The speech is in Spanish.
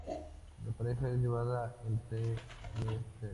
La pareja es llevada ante Mr.